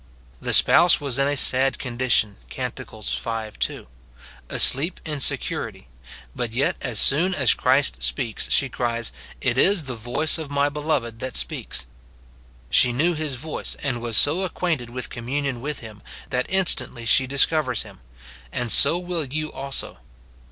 The spouse was in a sad condi tion. Cant. v. 2, — asleep in security ; but yet as soon as Christ speaks, she cries, "It is the voice of my beloved that speaks !" She knew his voice, and was so 25 290 MORTIFICATION OF acquainted with communion with him, that instantly she discovers him ; and so will you also.